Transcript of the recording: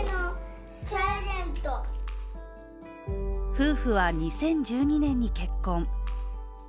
夫婦は２０１２年に結婚。